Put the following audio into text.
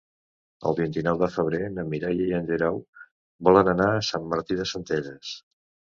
El vint-i-nou de febrer na Mireia i en Guerau volen anar a Sant Martí de Centelles.